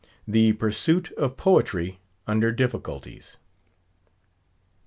THE PURSUIT OF POETRY UNDER DIFFICULTIES.